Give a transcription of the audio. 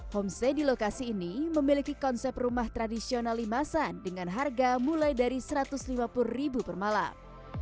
homestay di lokasi ini memiliki konsep rumah tradisional limasan dengan harga mulai dari rp satu ratus lima puluh per malam